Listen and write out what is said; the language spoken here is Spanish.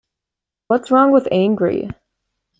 What's Wrong with Angry?